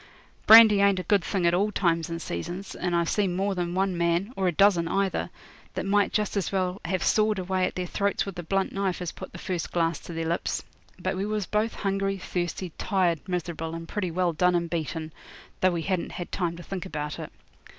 Brandy ain't a good thing at all times and seasons, and I've seen more than one man, or a dozen either, that might just as well have sawed away at their throats with a blunt knife as put the first glass to their lips. But we was both hungry, thirsty, tired, miserable, and pretty well done and beaten, though we hadn't had time to think about it.